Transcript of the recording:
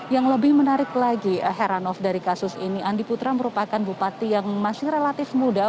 yang lebih menarik lagi heranov dari kasus ini andi putra merupakan bupati yang masih relatif muda